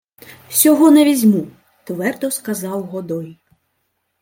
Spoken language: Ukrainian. — Сього не візьму, — твердо сказав Годой.